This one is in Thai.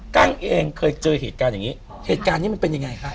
กั้งเองเคยเจอเหตุการณ์อย่างนี้เหตุการณ์นี้มันเป็นยังไงคะ